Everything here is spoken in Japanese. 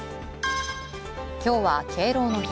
今日は敬老の日。